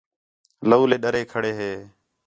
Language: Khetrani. لَولے ڈرے کھڑے ہے